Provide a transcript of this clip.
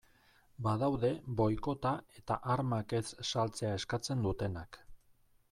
Badaude boikota eta armak ez saltzea eskatzen dutenak.